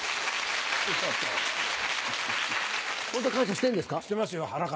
本当、感謝してるんですか？